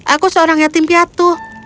aku seorang yatim piatu